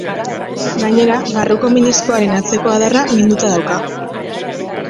Gainera, barruko meniskoaren atzeko adarra minduta dauka.